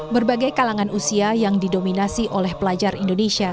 berbagai kalangan usia yang didominasi oleh pelajar indonesia